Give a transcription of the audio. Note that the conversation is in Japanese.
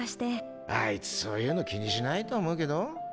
アイツそういうの気にしないと思うけど。